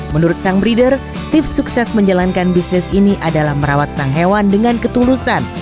menurut sang breeder tips sukses menjalankan bisnis ini adalah merawat sang hewan dengan ketulusan